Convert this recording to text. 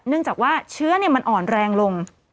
จากว่าเชื้อมันอ่อนแรงลง